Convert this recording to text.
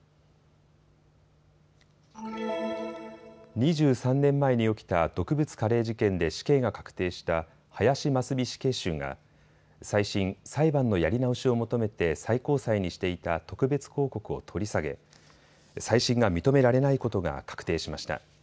２３年前に起きた毒物カレー事件で死刑が確定した林真須美死刑囚が再審・裁判のやり直しを求めて最高裁にしていた特別抗告を取り下げ、再審が認められないことが確定しました。